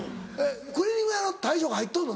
クリーニング屋の大将が入っとんの？